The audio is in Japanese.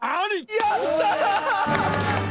やったー！